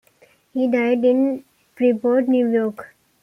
He died in Freeport, New York.